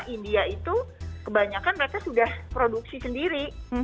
india itu kebanyakan mereka sudah produksi sendiri